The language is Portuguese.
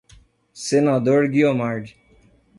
Senador Guiomard